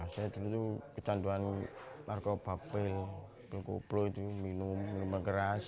saya dulu kecanduan narkoba pil pil kublo itu minum minum keras